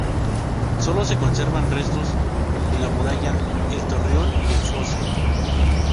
Sólo se conservan restos de la muralla, el torreón y el foso.